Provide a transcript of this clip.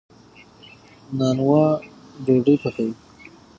نانوا ډوډۍ پخوي.